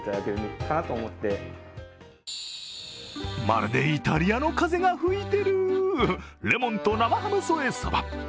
まるでイタリアの風が吹いている、レモンと生ハム添えそば。